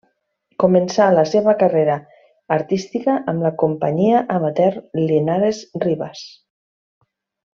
Començà la seua carrera artística amb la companyia amateur Linares Rivas.